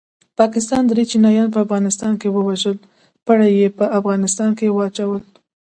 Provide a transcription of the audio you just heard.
پاکستان دري چینایان په افغانستان کې ووژل پړه یې په افغانستان واچول